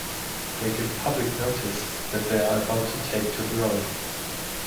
They give public notice that they are about to take to the road.